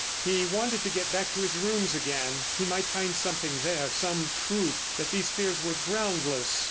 He wanted to get back to his rooms again. He might find something there, some proof, that these fears were groundless.